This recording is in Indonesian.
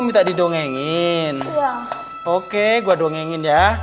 om minta didongengin ya oke gua dongengin ya